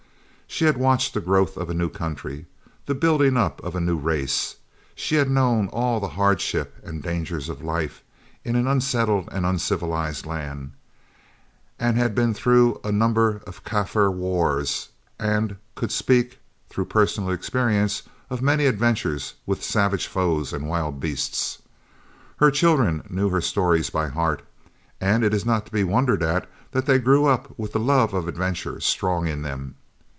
She had watched the growth of a new country, the building up of a new race. She had known all the hardships and dangers of life in an unsettled and uncivilised land, had been through a number of Kaffir wars and could speak, through personal experience, of many adventures with savage foes and wild beasts. Her children knew her stories by heart, and it is not to be wondered at that they grew up with the love of adventure strong in them.